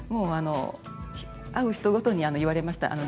会う人ごとに言われました。